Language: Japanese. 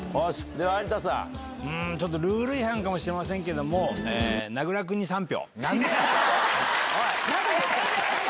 うーん、ちょっとルール違反かもしれませんけれども、名倉君に３票。